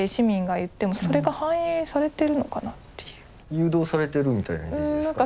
誘導されてるみたいなイメージですか？